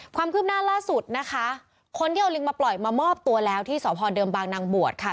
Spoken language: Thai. ความคืบหน้าล่าสุดนะคะคนที่เอาลิงมาปล่อยมามอบตัวแล้วที่สพเดิมบางนางบวชค่ะ